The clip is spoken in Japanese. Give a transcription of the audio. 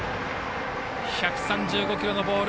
１３５キロのボール。